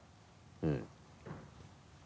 うん。